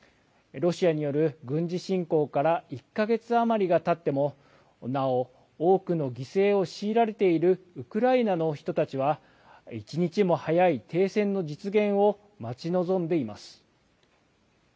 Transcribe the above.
ロシアによる軍事侵攻から１か月余りがたっても、なお多くの犠牲を強いられているウクライナの人たちは、一日も早い停戦の実現を待ち望んでいます。